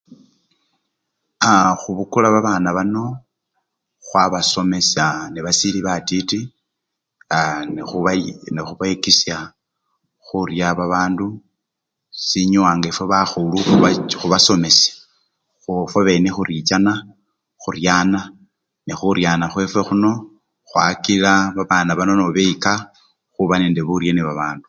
Aaa khubukula babana bano khwabasomesa nebasili batiti aa nekhubayi-nekhubekesha khurya babandu sinyowa ngefwe bakhulu khubacho khubasomesha khubafwabene khurichana, khuryana ne khuryana khwefwe khuno khwakila babana bano beyika khuba nende burye mubandu